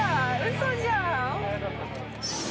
嘘じゃん。